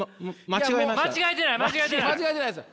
間違えてないです。